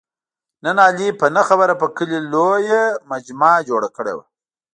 نن علي په نه خبره په کلي لویه مجمع جوړه کړې وه.